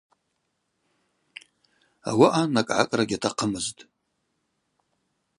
Ауаъа накӏгӏакӏра гьатахъымызтӏ.